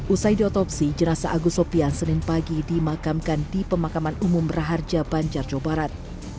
usai diotopsi jenazah agus sopian senin pagi dimakamkan di pemakaman umum raharja banjar jawa barat